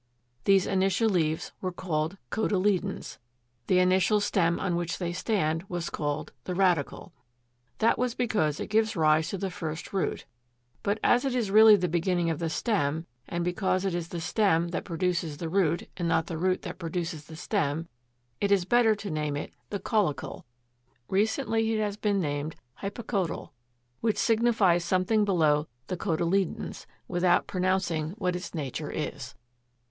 These initial leaves were named COTYLEDONS. The initial stem on which they stand was called the RADICLE. That was because it gives rise to the first root; but, as it is really the beginning of the stem, and because it is the stem that produces the root and not the root that produces the stem, it is better to name it the CAULICLE. Recently it has been named Hypocotyle; which signifies something below the cotyledons, without pronouncing what its nature is.